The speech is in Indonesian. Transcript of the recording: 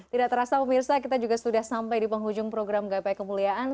tidak terasa pemirsa kita juga sudah sampai di penghujung program gapai kemuliaan